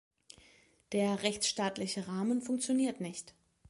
Der rechtsstaatliche Rahmen funktioniert nicht.